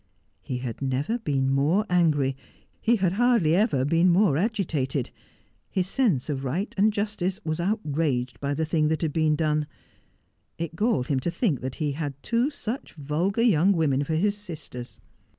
He had never been more angry ; he had hardly ever been more agitated. His sense of right and justice was outraged by the thing that had been done. It galled him to think that he had two such vulgar young women for his sisters.